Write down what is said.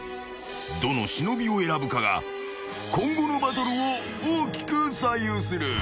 ［どの忍を選ぶかが今後のバトルを大きく左右する］